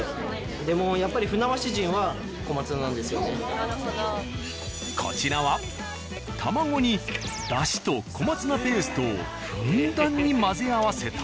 でもやっぱりこちらは卵にだしと小松菜ペーストをふんだんに混ぜ合わせた。